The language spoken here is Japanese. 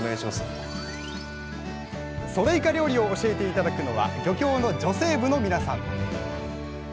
ソデイカ料理を教えて頂くのは漁協の女性部の皆さん